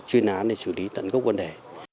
chuyên án để xử lý tận gốc vấn đề